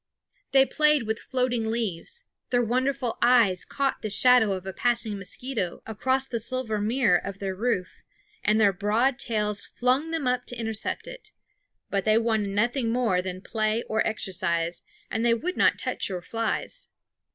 They played with floating leaves; their wonderful eyes caught the shadow of a passing mosquito across the silver mirror of their roof, and their broad tails flung them up to intercept it; but they wanted nothing more than play or exercise, and they would not touch your flies.